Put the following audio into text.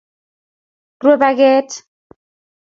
Rue paket